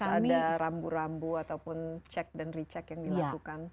apakah ada rambu rambu ataupun cek dan recheck yang dilakukan